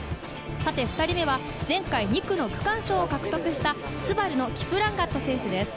２人目は前回２区の区間賞を獲得したＳＵＢＡＲＵのキプランガット選手です。